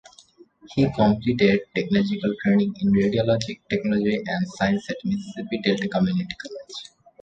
He completed technical training in radiologic technology and science at Mississippi Delta Community College.